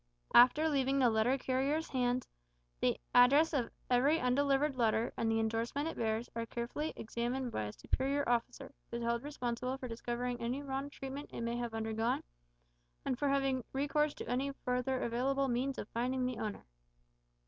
After leaving the letter carriers' hands, the address of every undelivered letter, and the indorsement it bears, are carefully examined by a superior officer, who is held responsible for discovering any wrong treatment it may have undergone, and for having recourse to any further available means of finding the owner.